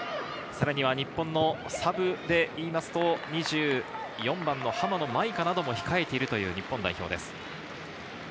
さらには日本のサブで言うと、２４番・浜野まいかなども控えている日本代表です。